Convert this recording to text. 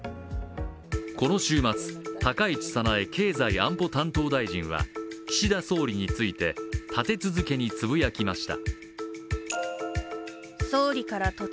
この週末、高市早苗経済安保担当大臣は岸田総理について、立て続けにつぶやきました。